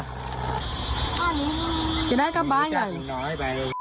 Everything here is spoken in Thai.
อาหนิตี้